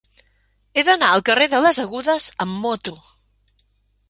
He d'anar al carrer de les Agudes amb moto.